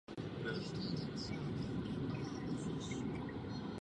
Vzápětí po svém činu byl chycen a odsouzen na doživotí.